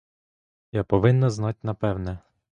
Я повинна знать напевне.